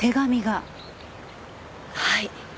はい。